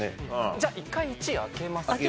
じゃあ一回１位開けます。